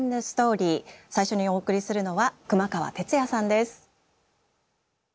最初にお送りするのは熊川哲也さんです。